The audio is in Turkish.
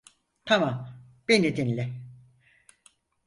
Tamam, beni dinle.